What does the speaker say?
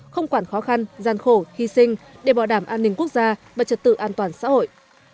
không quản khó khăn gian khổ hy sinh để bảo đảm an ninh quốc gia và trật tự an toàn xã hội